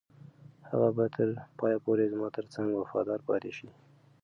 هغه به تر پایه پورې زما تر څنګ وفاداره پاتې شي.